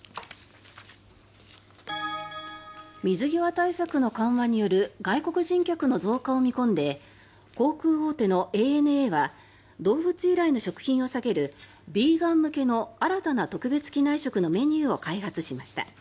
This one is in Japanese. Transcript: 水際対策の緩和による外国人客の増加を見込んで航空大手のＡＮＡは動物由来の食品を避けるビーガン向けの新たな特別機内食のメニューを開発しました。